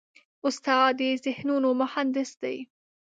استاد د ذهنونو مهندس دی.